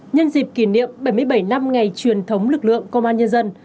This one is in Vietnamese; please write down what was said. nhân dịp kỷ niệm bảy mươi bảy năm ngày truyền thống lực lượng công an nhân dân